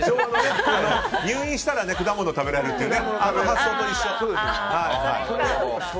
入院したら果物を食べるって発想と一緒。